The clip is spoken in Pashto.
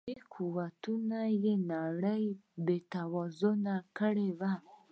نظامي قوتونو یې نړۍ بې توازونه کړې وه.